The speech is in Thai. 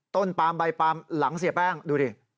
ปลามใบปาล์มหลังเสียแป้งดูดิ